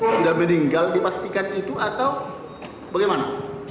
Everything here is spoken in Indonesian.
sudah meninggal dipastikan itu atau bagaimana